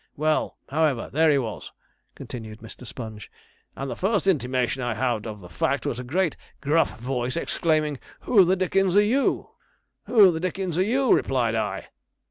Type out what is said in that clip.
'Well, however, there he was,' continued Mr. Sponge; 'and the first intimation I had of the fact was a great, gruff voice, exclaiming, "Who the Dickens are you?" '"Who the Dickens are you?" replied I.'